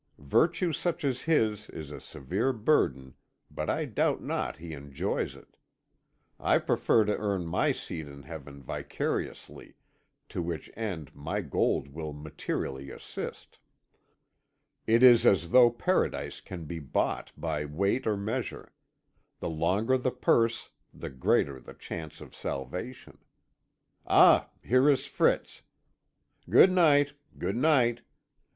Virtue such as his is a severe burden, but I doubt not he enjoys it. I prefer to earn my seat in heaven vicariously, to which end my gold will materially assist. It is as though paradise can be bought by weight or measure; the longer the purse the greater the chance of salvation. Ah, here is Fritz. Good night, good night.